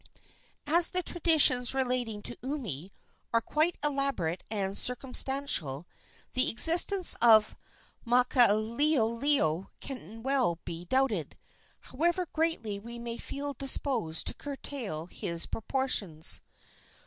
As the traditions relating to Umi are quite elaborate and circumstantial, the existence of Maukaleoleo cannot well be doubted, however greatly we may feel disposed to curtail his proportions.